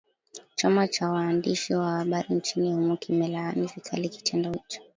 chama cha waandishi wa habari nchini humo kimelaani vikali kitendo hicho